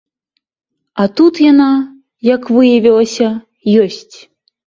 А тут яна, як выявілася, ёсць.